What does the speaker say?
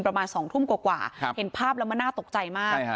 ประมาณ๒ทุ่มกว่าเห็นภาพแล้วมันน่าตกใจมาก